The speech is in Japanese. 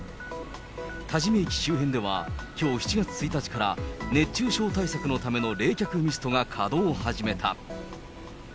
多治見駅周辺ではきょう７月１日から、熱中症対策のための冷却ミストが稼働を始めた。